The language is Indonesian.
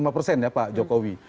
lima puluh lima persen ya pak jokowi